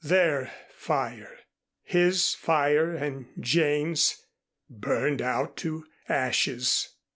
Their fire! His fire and Jane's burned out to ashes.